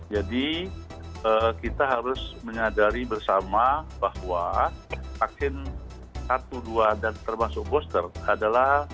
jadi kita harus menyadari bersama bahwa vaksin satu dua dan termasuk booster adalah